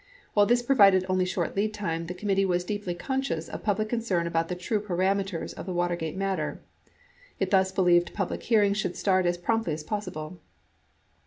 While this provided only short lead time, the committee was deeply conscious of public concern about the true parameters of the Watergate matter. It thus believed public hearings should start as promptly as possible.